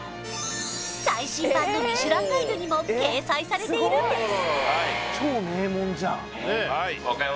最新版のミシュランガイドにも掲載されているんです